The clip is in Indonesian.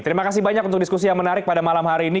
terima kasih banyak untuk diskusi yang menarik pada malam hari ini